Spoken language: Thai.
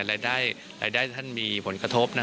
รายได้ท่านมีผลกระทบนะ